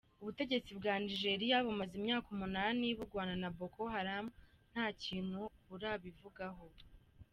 Ubutegetsi bwa Nigeria bumaze imyaka umunani bugwana na Boko Haram, nta kintu burabivugako.